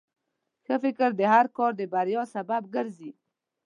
ښه فکر د هر کار د بریا سبب ګرځي.